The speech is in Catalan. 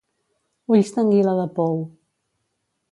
Ulls d'anguila de pou.